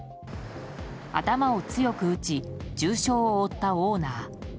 頭を強く打ち重傷を負ったオーナー。